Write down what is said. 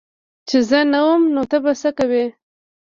چي زه نه وم نو ته به څه کوي